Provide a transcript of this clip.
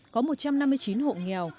có một trăm năm mươi chín hộ nghèo